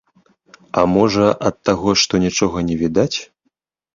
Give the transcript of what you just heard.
А можа, ад таго, што нічога не відаць?